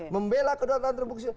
membela kedua dua antarabangsa indonesia